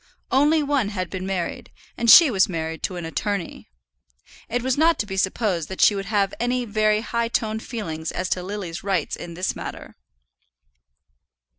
Only one had been married, and she was married to an attorney. It was not to be supposed that she would have any very high toned feelings as to Lily's rights in this matter.